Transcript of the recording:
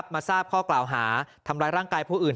มาทราบข้อกล่าวหาทำร้ายร่างกายผู้อื่น